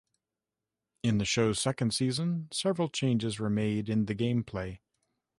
In the show's second season, several changes were made in the gameplay.